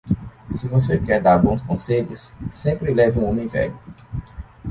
Se você quer dar bons conselhos, sempre leve um homem velho.